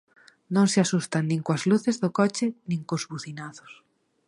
Non se asustan nin coas luces do coche nin cos bucinazos.